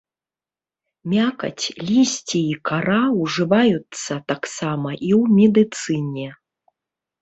Мякаць, лісце і кара ўжываюцца таксама і ў медыцыне.